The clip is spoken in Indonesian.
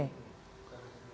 untuk indonesia raya